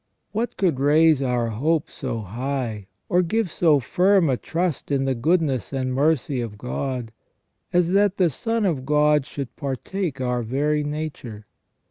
% What could raise our hope so high, or give so firm a trust in the goodness and mercy of God, as that the Son of God should partake our very nature